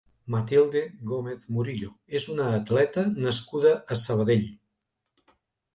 Matilde Gómez Murillo és una atleta nascuda a Sabadell.